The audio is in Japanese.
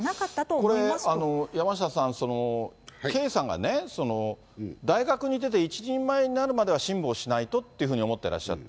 これ、山下さん、圭さんがね、大学出て、一人前になるまでは辛抱しないとっていうふうに思ってらっしゃった。